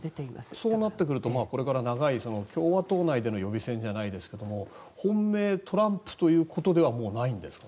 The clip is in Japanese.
そうなってくるとこれから長い共和党内での予備選じゃないですけど本命トランプということではもうないんですか？